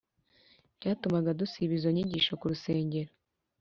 byatumaga dusiba izo nyigisho ku rusengero